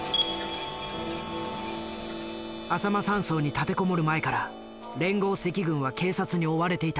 あさま山荘に立てこもる前から連合赤軍は警察に追われていた。